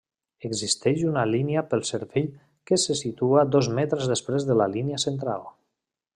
Existeix una línia pel servei que se situa dos metres després de la línia central.